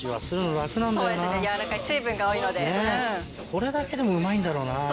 これだけでもうまいんだろうな。